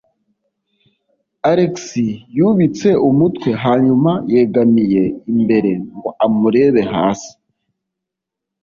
Alex yubitse umutwe hanyuma yegamiye imbere ngo amurebe hasi.